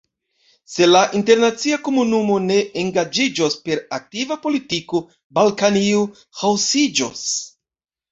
Se la internacia komunumo ne engaĝiĝos per aktiva politiko, Balkanio ĥaosiĝos.